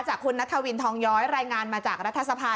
จากคุณนัทวินทองย้อยรายงานมาจากรัฐสภา